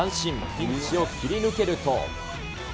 ピンチを切り抜けると。